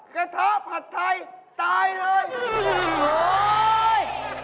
กะท้าผัดไทยตายเลย